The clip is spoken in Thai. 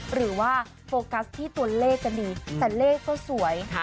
หรือว่าโฟกัสที่ตัวเลขก็ดีแต่เลขก็สวย